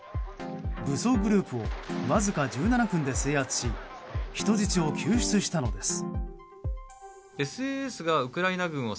武装グループをわずか１７分で制圧し人質を救出したのです。